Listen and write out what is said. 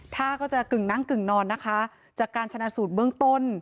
ท่าก็จะกึ่งนั่งกึ่งนอนนะคะจากการชนะสูตรเบื้องต้น